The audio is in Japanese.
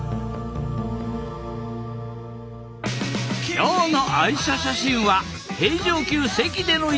今日の愛車写真は平城宮跡での一枚。